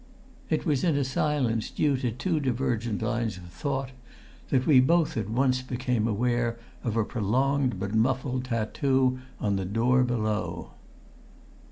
It was in a silence due to two divergent lines of thought that we both at once became aware of a prolonged but muffled tattoo on the door below.